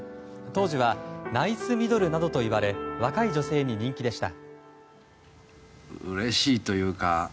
当時はナイスミドルなどといわれ若い女性に人気でした。